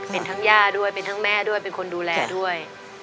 เป็นทั้งย่าด้วยเป็นทั้งแม่ด้วยเป็นคนดูแลด้วย